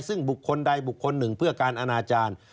ซึ่งบุคคลใดบุคคลหนึ่งเพื่อการอนาจารย์